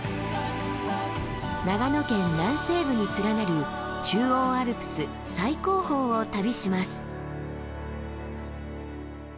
長野県南西部に連なる中央アルプス最高峰を旅します。